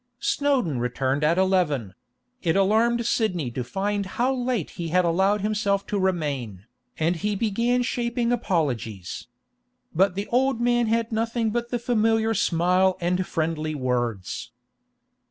Snowdon returned at eleven; it alarmed Sidney to find how late he had allowed himself to remain, and he began shaping apologies. But the old man had nothing but the familiar smile and friendly words.